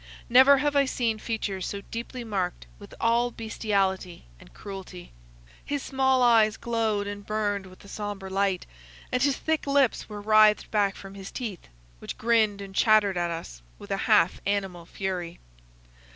Never have I seen features so deeply marked with all bestiality and cruelty. His small eyes glowed and burned with a sombre light, and his thick lips were writhed back from his teeth, which grinned and chattered at us with a half animal fury.